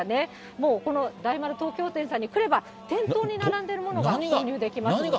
もうこの大丸東京店さんに来れば、店頭に並んでいるものが購入できますので。